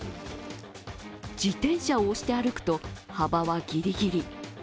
自転車を押して歩くと幅はぎりぎり。